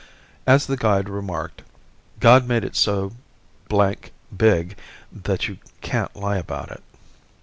As the guide remarked, "God made it so d big that you can't lie about it."